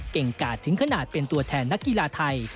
กาดถึงขนาดเป็นตัวแทนนักกีฬาไทย